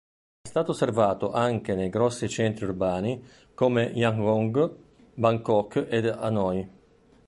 È stato osservato anche nei grossi centri urbani come Yangon, Bangkok ed Hanoi.